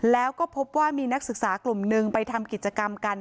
แล้วก็พบว่ามีนักศึกษากลุ่มหนึ่งไปทำกิจกรรมกัน